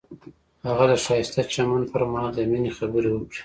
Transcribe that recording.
هغه د ښایسته چمن پر مهال د مینې خبرې وکړې.